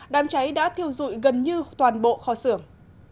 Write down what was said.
đám cháy đã thiêu dụi gần như toàn bộ kho xưởng